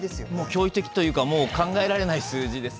驚異的というか考えられない数字です。